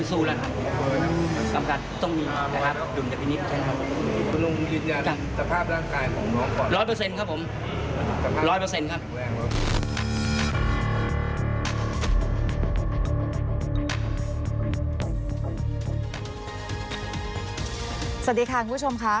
สวัสดีค่ะคุณผู้ชมค่ะ